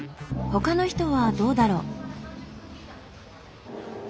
他の人はどうだろう？